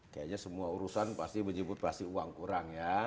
kayaknya semua urusan pasti menyebut pasti uang kurang ya